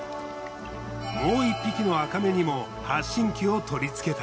もう１匹のアカメにも発信器を取り付けた。